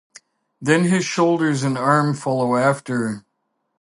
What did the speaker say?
Then his shoulders and arm follow after.